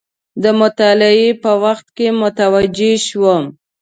د مطالعې په وخت کې متوجه شوم.